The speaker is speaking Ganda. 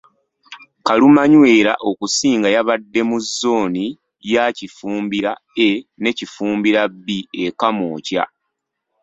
Kalumanywera okusinga yabadde mu zzooni ya Kifumbira A ne Kifumbira B e Kamwokya.